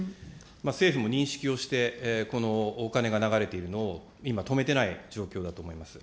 政府も認識をして、このお金が流れているのを、今、止めてない状況だと思います。